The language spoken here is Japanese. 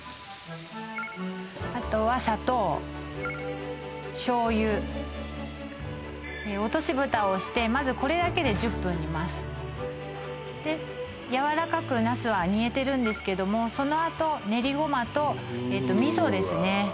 あとは砂糖醤油落としぶたをしてまずこれだけで１０分煮ますでやわらかくナスは煮えてるんですけどもそのあと練りゴマと味噌ですね